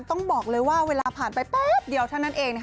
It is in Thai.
ต้องบอกเลยว่าเวลาผ่านไปแป๊บเดียวเท่านั้นเอง